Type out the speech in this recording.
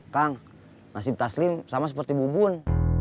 kang nasib taslim sama seperti bubun